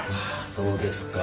そうですか。